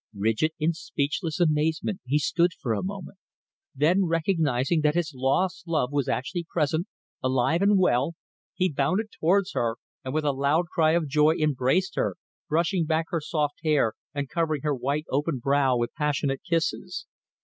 Rigid in speechless amazement he stood for a moment, then recognizing that his lost love was actually present, alive and well, he bounded towards her, and with a loud cry of joy embraced her, brushing back her soft hair and covering her white open brow with passionate kisses.